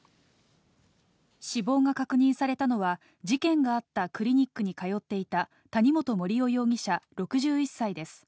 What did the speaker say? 死亡が確認されたのは、事件があったクリニックに通っていた、谷本盛雄容疑者６１歳です。